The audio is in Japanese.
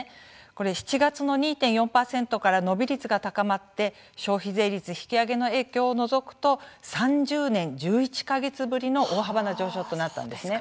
これ、７月の２．４％から伸び率が高まって消費税率引き上げの影響を除くと３０年１１か月ぶりの大幅な上昇となったんですね。